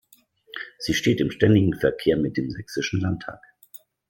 Sie steht im ständigen Verkehr mit dem Sächsischen Landtag.